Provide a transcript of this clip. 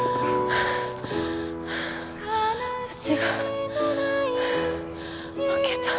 うちが負けた。